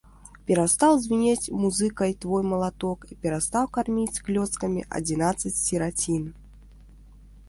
Перастаў звінець музыкай твой малаток і перастаў карміць клёцкамі адзінаццаць сірацін.